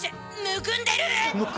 むくんでる。